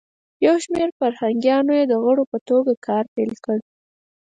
یو شمیر فرهنګیانو یی د غړو په توګه کار پیل کړ.